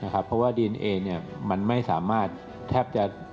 เพราะว่าดินเองมันไม่สามารถแทบจะ